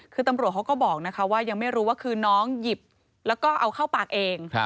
คือตำรวจเขาก็บอกนะคะว่ายังไม่รู้ว่าคือน้องหยิบแล้วก็เอาเข้าปากเอง